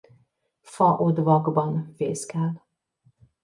Faodvakban fészkel.